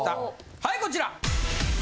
はいこちら！